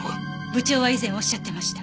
部長は以前おっしゃっていました。